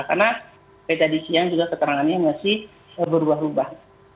karena dari siang juga keterangannya masih berubah ubah